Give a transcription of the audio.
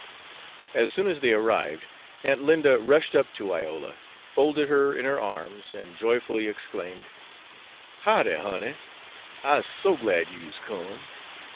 As soon as they arrived, Aunt Linda rushed up to Iola, folded her in her arms, and joyfully exclaimed: "How'dy, honey! I'se so glad you's come.